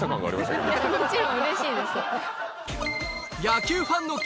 もちろんうれしいです。